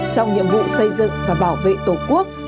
trong nhiệm vụ xây dựng và bảo vệ tổ quốc